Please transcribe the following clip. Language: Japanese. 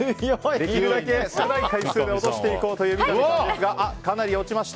できるだけ少ない回数で落としていこうという三上さんですがかなり落ちました。